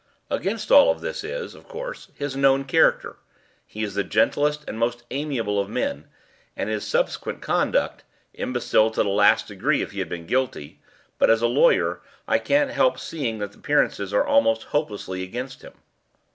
"Against all this is, of course, his known character he is the gentlest and most amiable of men and his subsequent conduct imbecile to the last degree if he had been guilty; but, as a lawyer, I can't help seeing that appearances are almost hopelessly against him."